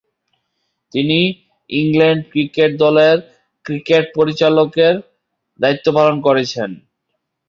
বর্তমানে তিনি England cricket দলের ক্রিকেট পরিচালকের দায়িত্ব পালন করছেন।